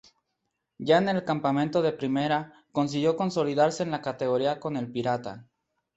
Ya en el campeonato de Primera, consiguió consolidarse en la categoría con el "Pirata".